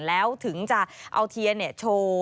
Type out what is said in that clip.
แล้วถึงจะเอาเทียนโชว์